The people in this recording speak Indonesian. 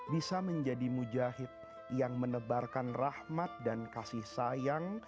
bisa menjadi mujahid yang menebarkan rahmat dan kasih sayang